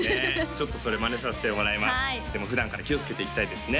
ちょっとそれマネさせてもらいますでも普段から気をつけていきたいですね